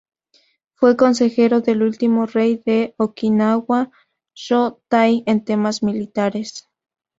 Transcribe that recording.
Fue consejero del último rey de Okinawa, Sho Tai, en temas militares.